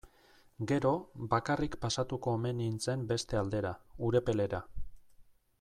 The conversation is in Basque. Gero, bakarrik pasatuko omen nintzen beste aldera, Urepelera.